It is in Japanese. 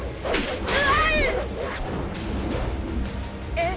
えっ？